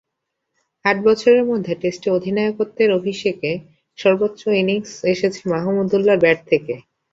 আট বছরের মধ্যে টেস্টে অধিনায়কত্বের অভিষেকে সর্বোচ্চ ইনিংস এসেছে মাহমুদউল্লাহর ব্যাট থেকে।